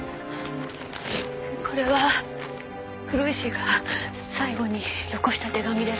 これは黒石が最後によこした手紙です。